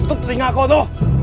tutup telinga aku